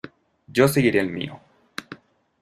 yo seguiré el mío.